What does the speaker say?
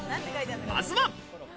まずは。